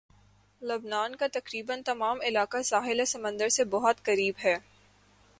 لبنان کا تقریباً تمام علاقہ ساحل سمندر سے بہت قریب ہے